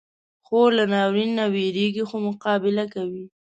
خور له ناورین نه وېریږي، خو مقابله کوي.